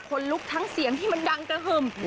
คนลุกทั้งเสียงที่มันดังกระหึ่ม